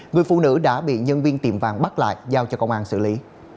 người phụ nữ đã bị nhân viên tiệm vàng bắt lại giao cho công an xử lý